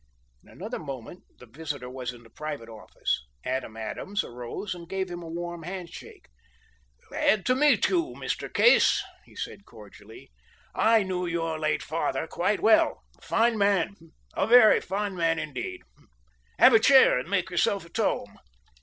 In another moment the visitor was in the private office. Adam Adams arose and gave him a warm handshake. "Glad to meet you, Mr. Case," he said cordially. "I knew your late father quite well a fine man a very fine man, indeed. Have a chair and make yourself at home."